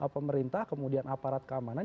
pemerintah kemudian aparat keamanan